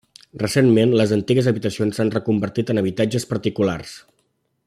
Recentment les antigues habitacions s'han reconvertit en habitatges particulars.